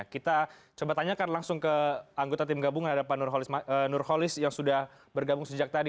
kita coba tanyakan langsung ke anggota tim gabungan ada pak nurholis yang sudah bergabung sejak tadi